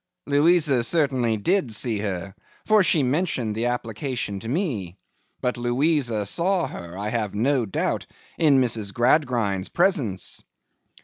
'Louisa certainly did see her, for she mentioned the application to me. But Louisa saw her, I have no doubt, in Mrs. Gradgrind's presence.